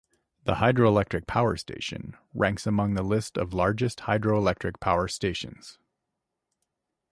The hydroelectric power station ranks among the List of largest hydroelectric power stations.